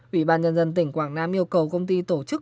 ủy ban nhân dân tỉnh quảng nam yêu cầu công ty tổ chức